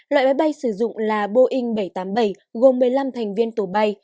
loại máy bay sử dụng là boeing bảy trăm tám mươi bảy gồm một mươi năm thành viên tổ bay